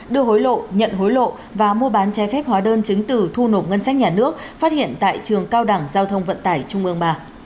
đưa hối lộ nhận hối lộ và mua bán trái phép hóa đơn chứng từ thu nộp ngân sách nhà nước phát hiện tại trường cao đảng giao thông vận tải trung ương ba